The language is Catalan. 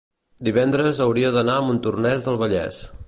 divendres hauria d'anar a Montornès del Vallès.